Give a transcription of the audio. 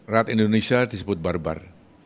rakyat indonesia disebut barbar